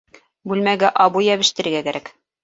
Бүлмәгә обой йәбештерергә кәрәк